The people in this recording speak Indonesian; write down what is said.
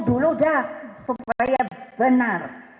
dulu dah supaya benar